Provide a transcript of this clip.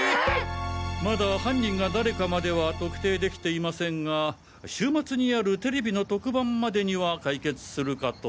まだ犯人が誰かまでは特定できていませんが週末にあるＴＶの特番までには解決するかと。